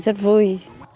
rồi rất vui